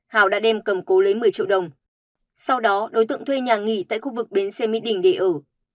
hào đã đem cầm cố lấy một mươi triệu đồng sau đó đối tượng thuê nhà nghỉ tại khu vực bến xe mỹ đình để ở